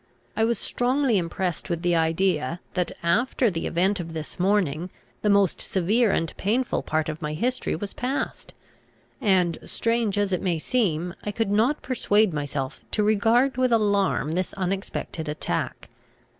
I was strongly impressed with the idea, that, after the event of this morning, the most severe and painful part of my history was past; and, strange as it may seem, I could not persuade myself to regard with alarm this unexpected attack.